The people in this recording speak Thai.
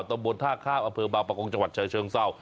ตำบลท่าข้ามอำเภอบางประกงจังหวัดชาเชิงเศร้า